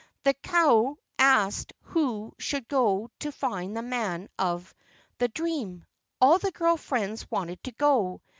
The kahu asked who should go to find the man of the dream. All the girl friends wanted to go.